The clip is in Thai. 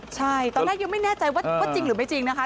ใช่ตอนแรกยังไม่แน่ใจว่าจริงหรือไม่จริงนะคะ